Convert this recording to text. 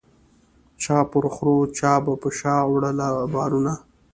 چا پر خرو چا به په شا وړله بارونه